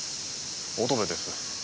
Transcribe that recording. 乙部です。